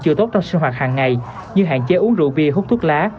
chưa tốt trong sinh hoạt hàng ngày như hạn chế uống rượu bia hút thuốc lá